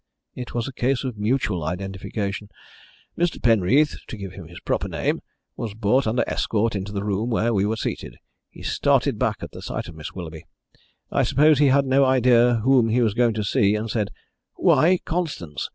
"It was a case of mutual identification. Mr. Penreath, to give him his proper name, was brought under escort into the room where we were seated. He started back at the sight of Miss Willoughby I suppose he had no idea whom he was going to see and said, 'Why, Constance!'